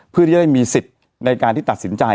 เพื่อที่จะได้มีสิทธิ์ในการที่ตัดสินใจ